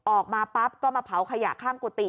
ออกมาปั๊บก็มาเผาขยะข้างกุฏิ